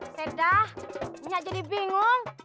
sedah minyak jadi bingung